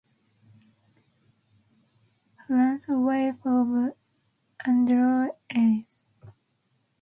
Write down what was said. Frances, wife of Andrew Ellis.